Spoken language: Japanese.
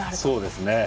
そうですね。